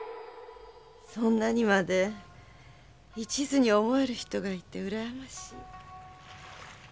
そんなにまで一途に思える人がいて羨ましい。